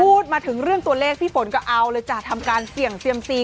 พูดถึงเรื่องตัวเลขพี่ฝนก็เอาเลยจ้ะทำการเสี่ยงเซียมซี